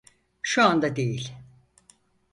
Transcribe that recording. Şu anda değil.